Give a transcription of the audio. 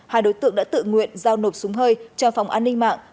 hai đối tượng đã tự nguyện giao nộp súng hơi cho phòng an ninh mạng